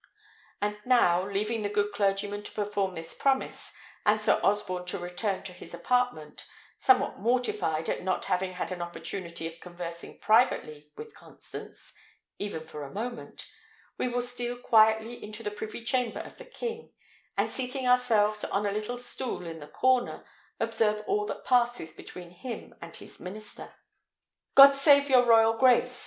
And now, leaving the good clergyman to perform this promise, and Sir Osborne to return to his apartment, somewhat mortified at not having had an opportunity of conversing privately with Constance, even for a moment, we will steal quietly into the privy chamber of the king, and seating ourselves on a little stool in the corner, observe all that passes between him and his minister. "God save your royal grace!"